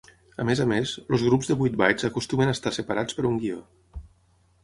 A més a més, els grups de vuit bytes acostumen a estar separats per un guió.